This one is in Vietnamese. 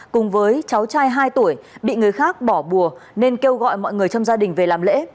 cùng với cháu trai hai tuổi bị người khác bỏ bùa nên kêu gọi mọi người trong gia đình về làm lễ